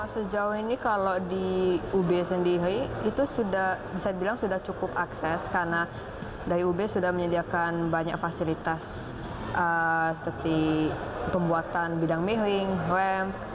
sejauh ini kalau di ub sendiri itu sudah bisa dibilang sudah cukup akses karena dari ub sudah menyediakan banyak fasilitas seperti pembuatan bidang miring rem